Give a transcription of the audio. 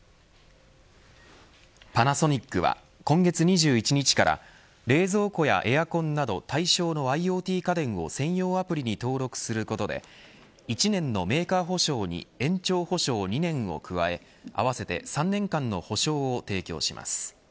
パナソニックは今月２１日から冷蔵庫やエアコンなど対象のＩｏＴ家電を専用アプリに登録することで１年のメーカー保証に延長保証２年を加え合わせて３年間の保証を提供します。